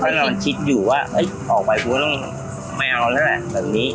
ก็นอนคิดอยู่ว่าออกไปกูก็ต้องไม่เอาแล้วแหละแบบนี้